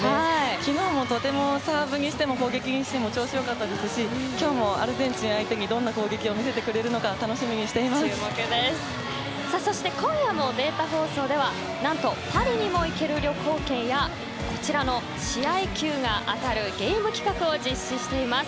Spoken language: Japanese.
昨日もとてもサーブも攻撃も調子良かったですし今日もアルゼンチン相手にどんな攻撃を見せてくれるのか今夜のデータ放送ではなんとパリにも行ける旅行券やこちらの試合球が当たるゲーム企画を実施しています。